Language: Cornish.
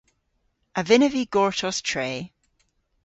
A vynnav vy gortos tre?